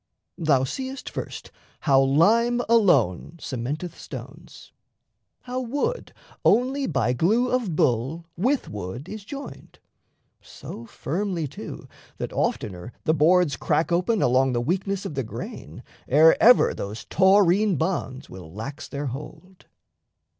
Thou seest, first, How lime alone cementeth stones: how wood Only by glue of bull with wood is joined So firmly too that oftener the boards Crack open along the weakness of the grain Ere ever those taurine bonds will lax their hold.